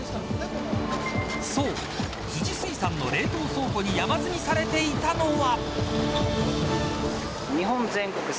そう、辻水産の冷凍倉庫に山積みされていたのは。